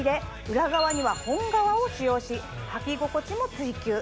裏側には本革を使用し履き心地も追求。